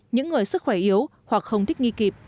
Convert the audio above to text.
những người sức khỏe yếu hoặc không thích nghi kịp